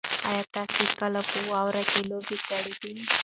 ایا تاسي کله په واوره کې لوبه کړې ده؟